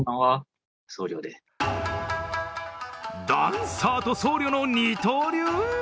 ダンサーと僧侶の二刀流？